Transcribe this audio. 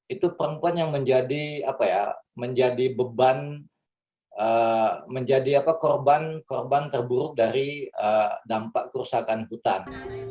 itu perempuan yang menjadi apa ya menjadi beban menjadi apa korban korban terburuk dari dampak kerusakan hutan